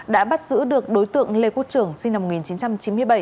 đã bắt giữ được đối tượng lê quốc trưởng sinh năm một nghìn chín trăm chín mươi bảy